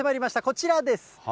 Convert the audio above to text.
こちらです。